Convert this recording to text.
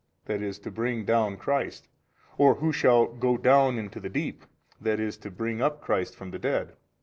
that is to bring down Christ; or, Who shall go down into the deep? that is to bring up Christ from the dead.